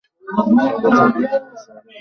শহরটি নতুন মিরপুর শহর নামেই বেশি পরিচিত।